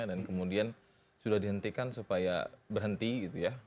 dan kemudian sudah dihentikan supaya berhenti gitu ya